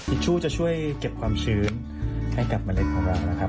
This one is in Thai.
ชชู่จะช่วยเก็บความชื้นให้กับเมล็ดของเรานะครับ